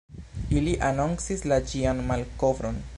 Ili anoncis la ĝian malkovron.